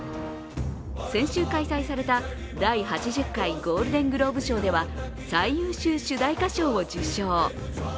先週開催された第８０回ゴールデングローブ賞では最優秀主題歌賞を受賞。